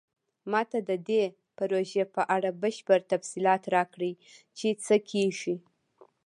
ما ته د دې پروژې په اړه بشپړ تفصیلات راکړئ چې څه کیږي